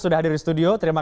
sudah hadir di studio